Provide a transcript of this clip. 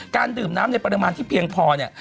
การดื่มน้ำในปริมาณที่เพียงพอเนี่ย